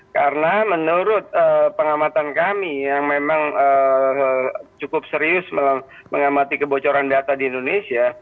karena menurut pengamatan kami yang memang cukup serius mengamati kebocoran data di indonesia